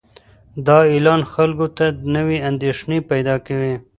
دا اعلان خلکو ته نوې اندېښنې پیدا کوي.